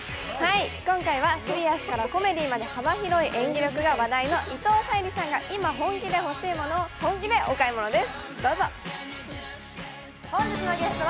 今回はシリアスからコメディーまで幅広い演技力が話題の伊藤沙莉さんが今本気で欲しいものを本気でお買い物です。